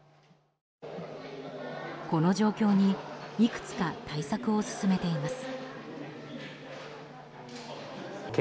この状況にいくつか対策を進めています。